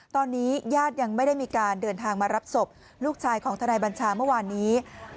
ตอนนี้ญาติยังไม่ได้มีการเดินทางมารับศพลูกชายของทนายบัญชาเมื่อวานนี้